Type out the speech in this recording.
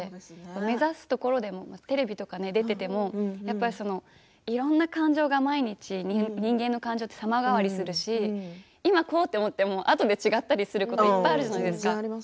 目指すところでもテレビとか出ていてもいろんな感情が毎日人間の感情は様変わりするし今こうだと思ってもあとで違ったりすることあるじゃないですか。